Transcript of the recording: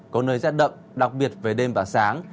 có nơi rét đậm đặc biệt về đêm và sáng